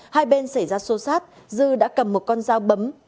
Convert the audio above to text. hai bên xảy ra xô xát dư đã cầm một con dao bấm